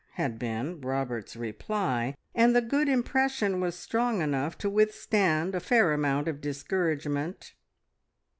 had been Robert's reply, and the good impression was strong enough to withstand a fair amount of discouragement.